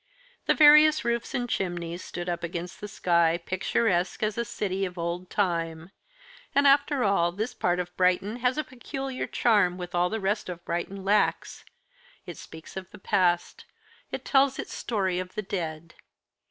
The various roofs and chimneys stood up against the sky, picturesque as a city of old time. And, after all, this part of Brighton has a peculiar charm which all the rest of Brighton lacks. It speaks of the past, it tells its story of the dead.